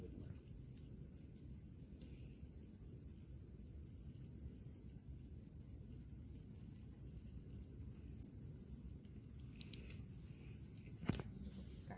กลับมา